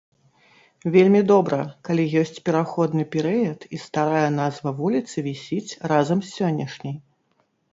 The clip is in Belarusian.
Вельмі добра, калі ёсць пераходны перыяд і старая назва вуліцы вісіць разам з сённяшняй.